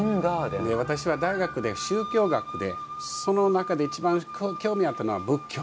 私は大学で宗教学でその中で一番興味あったのは仏教。